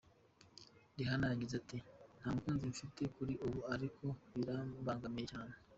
Rihanna yagize ati: “ Ntamukunzi mfite kuri ubu, ariko birambangamiye cyane.